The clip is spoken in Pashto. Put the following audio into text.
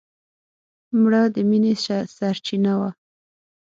مړه د مینې سرڅینه وه